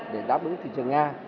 để giáp đứng thị trường nga